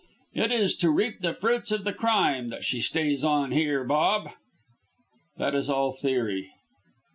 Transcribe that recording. It is to reap the fruits of the crime that she stays on here, Bob." "That is all theory."